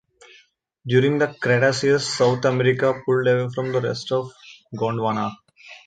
During the Cretaceous, South America pulled away from the rest of Gondwana.